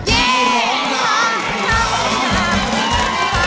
เยี่ยมโน่นนายโน่นนาย